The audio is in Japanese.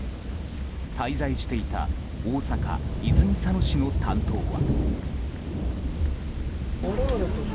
滞在していた大阪・泉佐野市の担当は。